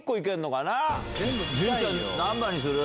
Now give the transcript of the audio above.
潤ちゃん何番にする？